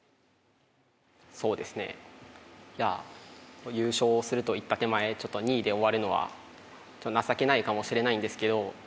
そうですねいや優勝すると言った手前ちょっと２位で終わるのは情けないかもしれないんですけど。